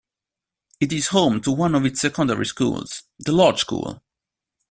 It is home to one of its secondary schools, The Lodge School.